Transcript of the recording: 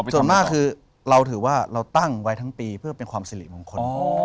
ส่วนมากคือเราถือว่าเราตั้งไว้ทั้งปีเพื่อเป็นความสิริมงคล